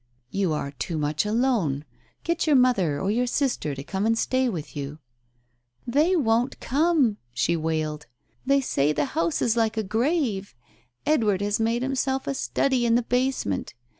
"You are too mych alone. Get your mother or your sister to come and stay with you." " They won't come," she wailed. " They say the house is like a grave. Edward has made himself a study in the basement.